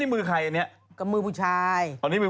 ถืออย่างงี้ถืออย่างงี้